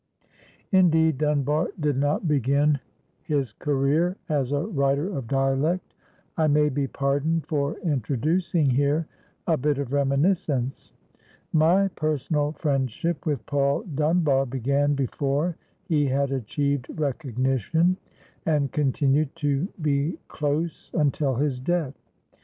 Indeed, Dunbar did not begin his career as a writer of dialect. I may be pardoned for introducing here a bit of reminiscence. My personal friendship with Paul Dunbar began before he had achieved recognition, and continued to be close until his death.